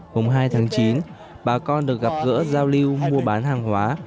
hôm hai tháng chín bà con được gặp gỡ giao lưu mua bán hàng hóa